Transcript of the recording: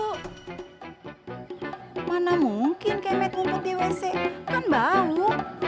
itu mana mungkin kemet mumpet di wc kan bau